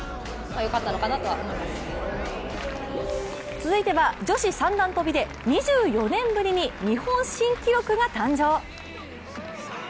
続いては女子三段跳びで２４年ぶりに日本新記録が誕生。